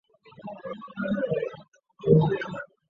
紫背万年青可以用来泡茶。